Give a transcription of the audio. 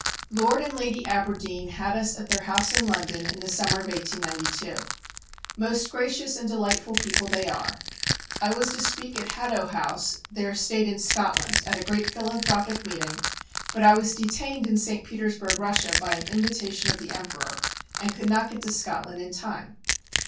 Lord and Lady Aberdeen had us at their house in London in the summer of 1892. Most gracious and delightful people they are. I was to speak at Haddo House, their estate in Scotland, at a great philanthropic meeting, but I was detained in St. Petersburg, Russia, by an invitation of the Emperor, and could not get to Scotland in time.